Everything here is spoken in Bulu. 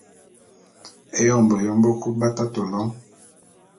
Éyoň beyom bekub b’atate lôň.